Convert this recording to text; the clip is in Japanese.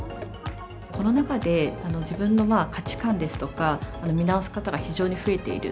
コロナ禍で自分の価値観ですとか、見直す方が非常に増えている。